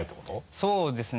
そうですね